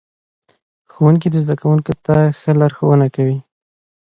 ښوونکی زده کوونکو ته ښه لارښوونه کوي